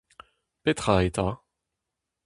Petra eta ?